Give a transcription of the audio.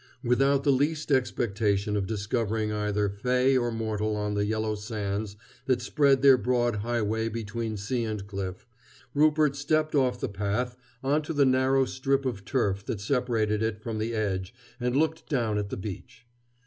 Without the least expectation of discovering either fay or mortal on the yellow sands that spread their broad highway between sea and cliff, Rupert stepped off the path on to the narrow strip of turf that separated it from the edge and looked down at the beach.